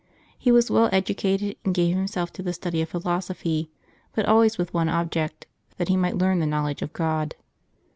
He was well educated, and gave himself to the study of philosophy, but always with one object, that he might learn the knowledge of God.